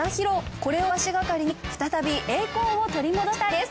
これを足がかりに再び栄光を取り戻したいです